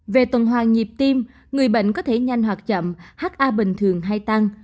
về tuần hoàng nhịp tim người bệnh có thể nhanh hoặc chậm ha bình thường hay tăng